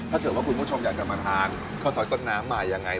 ถ้าเกิดว่าคุณผู้ชมอยากจะมาทานข้าวซอยต้นน้ำมายังไง